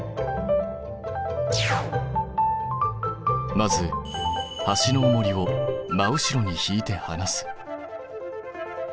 まずはしのおもりを真後ろにひいてはなす。